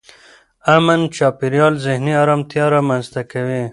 امن چاپېریال ذهني ارامتیا رامنځته کوي.